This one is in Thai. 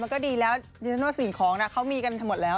มันก็ดีแล้วดีจนว่าสินของเขามีกันทั้งหมดแล้ว